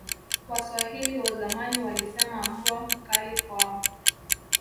waswahili wa zamani walisema mbwa mkali kwao